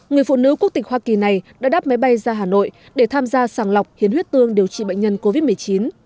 người phụ nữ quốc tịch hoa kỳ này đã đáp máy bay ra hà nội để tham gia sàng lọc hiến huyết tương điều trị bệnh nhân covid một mươi chín